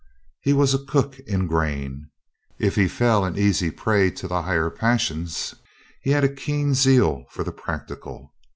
He was a cook in grain. If he fell an easy prey to the higher passions, he had a keen zeal for the prac tical.